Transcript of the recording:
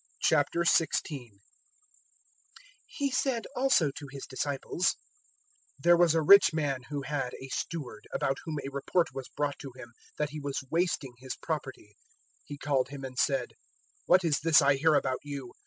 '" 016:001 He said also to His disciples: "There was a rich man who had a steward, about whom a report was brought to him, that he was wasting his property. 016:002 He called him and said, "`What is this I hear about you?